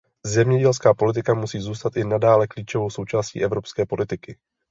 Zemědělská politika musí zůstat i nadále klíčovou součástí evropské politiky.